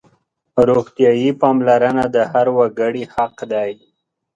روغتیايي پاملرنه د هر وګړي حق دی.